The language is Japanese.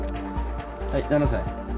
はい７歳。